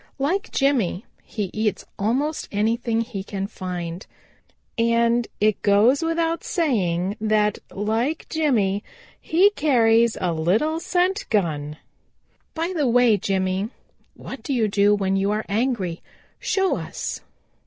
Like Jimmy he eats almost anything he can find. And it goes without saying that, like Jimmy, he carries a little scent gun. By the way, Jimmy, what do you do when you are angry? Show us."